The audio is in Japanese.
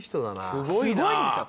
すごいんですよ。